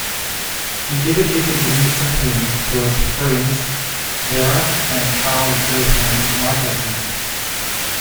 He dedicated the new symphony to his friends Vera and Carl Johan Michaelsen.